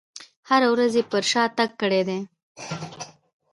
هره ورځ یې پر شا تګ کړی دی.